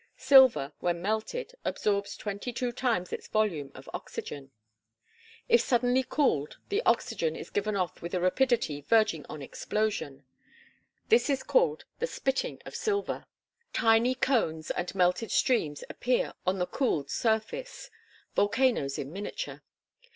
Silver when melted absorbs twenty two times its volume of oxygen. If suddenly cooled the oxygen is given off with a rapidity verging on explosion. This is called the "spitting" of silver. Tiny cones and melted streams appear on the cooled surface volcanoes in miniature.